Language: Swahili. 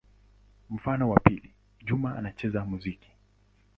Mfano wa pili: Juma anacheza muziki.